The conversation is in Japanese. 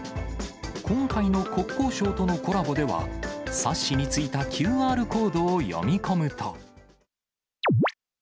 今回の国交省とのコラボでは、冊子についたＱＲコードを読み込むと。